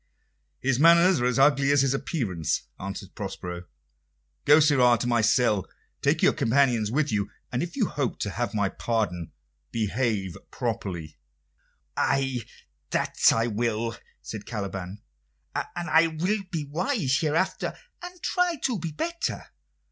"His manners are as ugly as his appearance," answered Prospero. "Go, sirrah, to my cell. Take your companions with you, and if you hope to have my pardon, behave properly." "Ay, that I will," said Caliban; "and I will be wise hereafter, and try to be better.